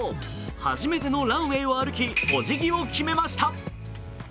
初めてのランウェイを歩きおじぎを決めました。